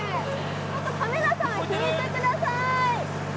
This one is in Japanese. ちょっとカメラさん、引いてください！